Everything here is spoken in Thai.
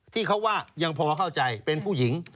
ที่เขาว่ายังพอเข้าใจเป็นผู้หญิง